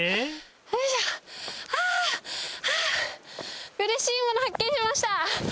よいしょ、はぁ、はぁ、うれしいもの発見しました。